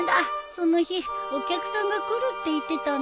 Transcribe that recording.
その日お客さんが来るって言ってたんだっけ。